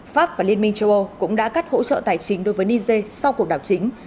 pháp và liên minh châu âu cũng đã cắt hỗ trợ tài chính đối với niger sau cuộc đảo chính